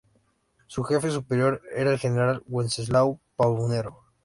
Su jefe superior era el general Wenceslao Paunero.